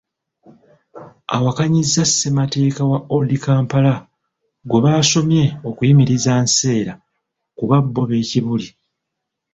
Awakanyizza ssemateeka wa Old Kampala gwe baasomye okuyimiriza Nseera kuba bbo b'e Kibuli.